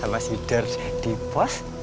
sama sidar di pos